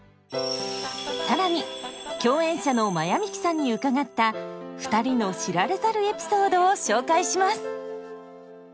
更に共演者の真矢ミキさんに伺った２人の知られざるエピソードを紹介します。